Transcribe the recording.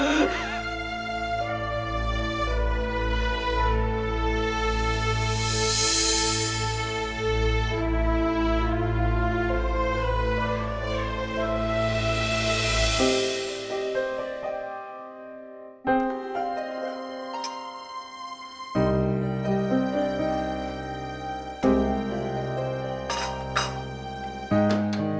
apa yang menjelaskan